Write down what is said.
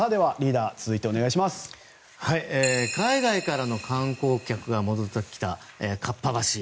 海外からの観光客が戻ってきた、かっぱ橋。